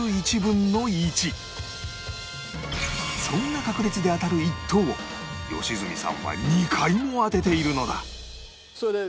そんな確率で当たる１等を良純さんは２回も当てているのだ！